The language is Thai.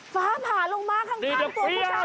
ฟ้าผ่าลงมาข้างตรงพูดผู้ชาย